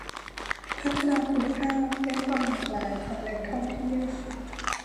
พัฒนาคุณภาพและความหลากหลายของแหล่งท่องเที่ยว